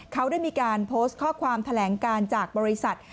เขาได้มีการโพสต์ข้อความแถลงการจากบริษัท